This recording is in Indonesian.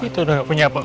jangan nggak kuat